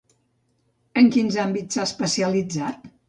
En quins àmbits s'ha especialitzat?